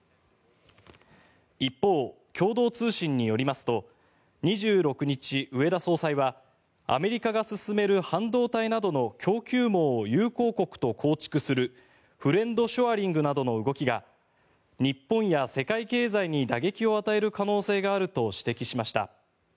一方、共同通信によりますと２６日、植田総裁はアメリカが進める半導体などの供給網を友好国と構築するフレンド・ショアリングなどの動きが日本や世界経済に打撃を与える可能性があると指摘しました。